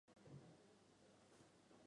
此为萧沆一生唯一一次接受文学奖。